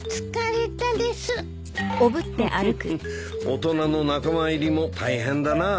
大人の仲間入りも大変だなあ。